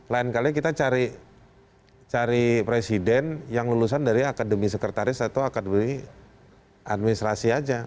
lain kali kita cari presiden yang lulusan dari akademi sekretaris atau akademi administrasi aja